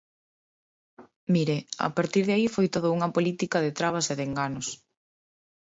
Mire, a partir de aí foi todo unha política de trabas e de enganos.